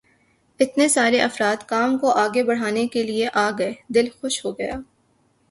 اتنے سارے افراد کام کو آگے بڑھانے کے لیے آ گئے، دل خوش ہو گیا۔